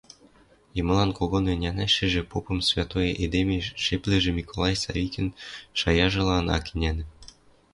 Йымылан когон ӹнянӹшӹ, попым святой эдемеш жеплӹшӹ Миколай Савикӹн шаяжылан ак ӹнянӹ.